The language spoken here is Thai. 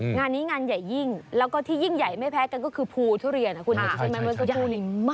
งานนี้งานใหญ่ยิ่งแล้วก็ที่ยิ่งใหญ่ไม่แพ้กันก็คือภูทุเรียนคุณเห็นใช่ไหมเมื่อสักครู่นี้